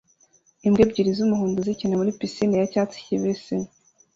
Imbwa ebyiri z'umuhondo zikina muri pisine ya cyatsi kibisi